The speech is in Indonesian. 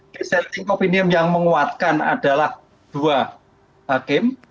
desenting opinion yang menguatkan adalah dua hakim